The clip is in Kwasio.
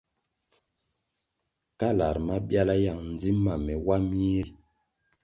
Kalar mabiala yang ndzim ma me wa mih ri.